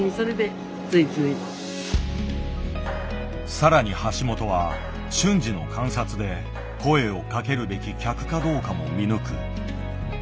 さらに橋本は瞬時の観察で声をかけるべき客かどうかも見抜く。